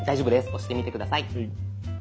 押してみて下さい。